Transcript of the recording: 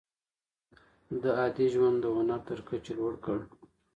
ده عادي ژوند د هنر تر کچې لوړ کړ.